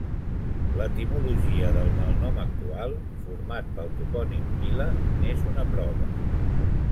L'etimologia del malnom actual, format pel topònim vila, n'és una prova.